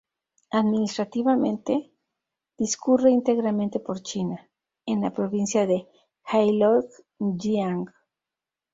Administrativamente, discurre íntegramente por China, en la provincia de Heilongjiang.